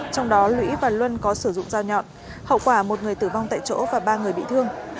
trong đó lũy và luân có sử dụng dao nhọn hậu quả một người tử vong tại chỗ và ba người bị thương